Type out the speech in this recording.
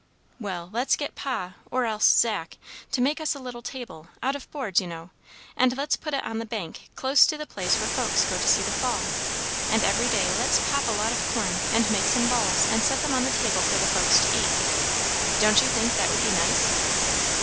"Well, let's get Pa, or else Zach, to make us a little table, out of boards, you know; and let's put it on the bank, close to the place where folks go to see the fall; and every day let's pop a lot of corn, and make some balls, and set them on the table for the folks to eat. Don't you think that would be nice?"